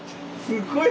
すごい。